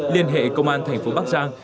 liên hệ công an thành phố bắc giang